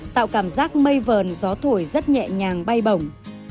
tạo cảm giác mây vờn gió thổi rất nhẹ nhàng bay bổng